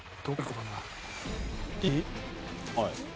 はい。